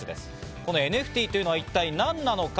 このＮＦＴというのは一体何なのか？